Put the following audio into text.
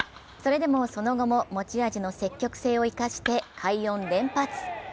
それでもその後も持ち味の積極性を生かして快音連発。